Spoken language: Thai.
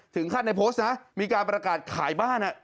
ถึงขั้นในโพสต์นะมีการประกาศขายบ้าน